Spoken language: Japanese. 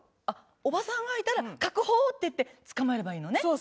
あっおばさんがいたら「確保！」って言って捕まえればいいのね。